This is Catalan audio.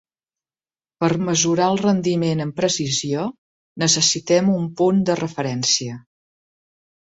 Per mesurar el rendiment amb precisió necessitem un punt de referència.